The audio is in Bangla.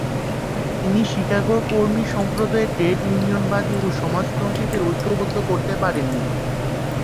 তিনি শিকাগোর কর্মী সম্প্রদায়ের ট্রেড ইউনিয়নবাদী ও সমাজতন্ত্রীদের ঐক্যবদ্ধ করতে পারেননি।